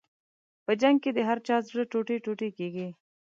په جنګ کې د هر چا زړه ټوټې ټوټې کېږي.